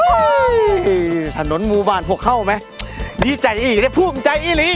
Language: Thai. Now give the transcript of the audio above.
ฮุวฮูสนน้ำหมูบานหมวกเข้าเอาไหมดีใจอีกายได้พรุ่งใจอีเลี้ย